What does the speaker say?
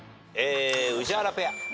宇治原ペア。